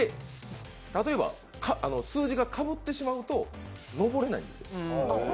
例えば、数字がかぶってしまうと上れないんですよ。